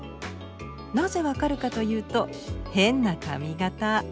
なぜ分かるかというと変な髪形。